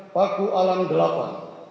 paku alang delapan